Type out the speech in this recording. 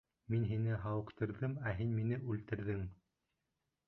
— Мин һине һауыҡтырҙым, ә һин мине үлтерҙең.